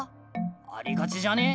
ありがちじゃね？